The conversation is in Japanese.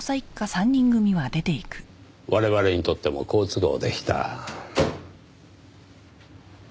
我々にとっても好都合でした。